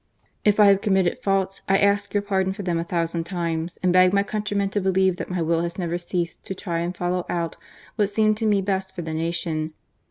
" If I have committed faults, I ask your pardon for them a thousand times, and beg my countrymen to believe that my will has never ceased to try and follow out what seemed to me best for the nation.